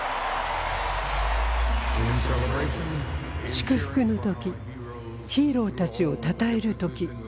祝福の時ヒーローたちをたたえる時。